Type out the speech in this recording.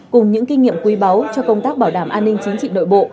cùng những kinh nghiệm quý báu cho công tác bảo đảm an ninh chính trị nội bộ